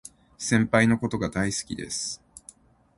先輩のことが大好きです